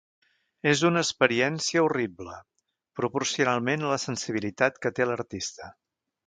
És una experiència horrible, proporcionalment a la sensibilitat que té l’artista.